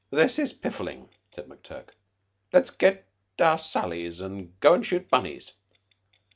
"This is piffling," said McTurk. "Let's get our sallies, and go and shoot bunnies."